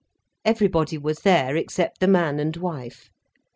Everybody was there, except the man and wife.